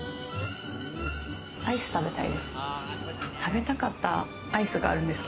アイス、食べたいです。